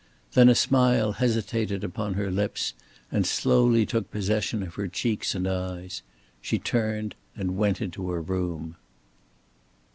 Then a smile hesitated upon her lips and slowly took possession of her cheeks and eyes. She turned and went into her room.